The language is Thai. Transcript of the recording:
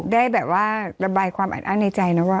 ได้แบบว่าระบายความอัดอั้นในใจนะว่า